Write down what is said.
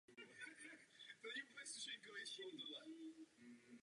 Hrad byl pravděpodobně dvoudílný.